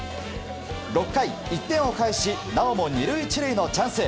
６回、１点を返しなおも２塁１塁のチャンス。